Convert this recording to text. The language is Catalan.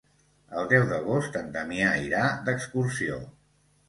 El deu d'agost en Damià irà d'excursió.